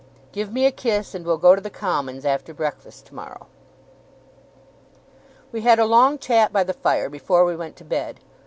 Give me a kiss, and we'll go to the Commons after breakfast tomorrow.' We had a long chat by the fire before we went to bed.